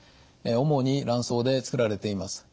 主に卵巣でつくられています。